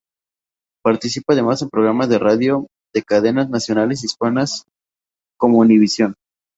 Participa además en programas de radio de cadenas nacionales hispanas como Univisión.